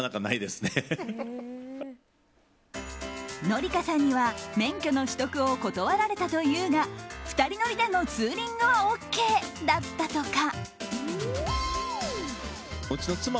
紀香さんには免許の取得を断られたというが２人乗りでのツーリングはＯＫだったとか。